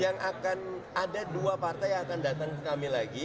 yang akan ada dua partai yang akan datang ke kami lagi